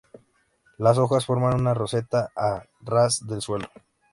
Las hojas forman una roseta a ras del suelo.